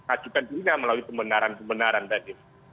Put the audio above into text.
ajukan dirinya melalui kebenaran kebenaran tadi